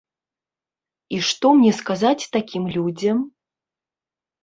І што мне сказаць такім людзям?